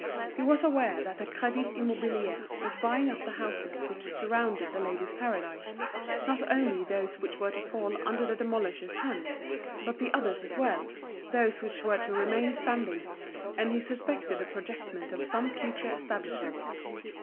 He was aware that the Crédit Immobilier was buying up the houses which surrounded The Ladies' Paradise, not only those which were to fall under the demolisher's hands, but the others as well, those which were to remain standing; and he suspected the projectment of some future establishment.